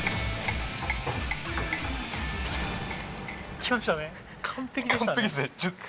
きましたね！